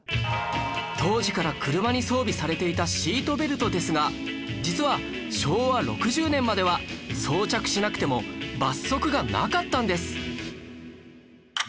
当時から車に装備されていたシートベルトですが実は昭和６０年までは装着しなくても罰則がなかったんです